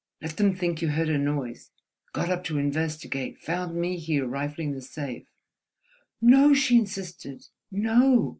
Let them think you heard a noise, got up to investigate, found me here, rifling the safe—" "No," she insisted—"no!